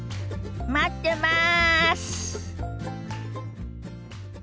待ってます！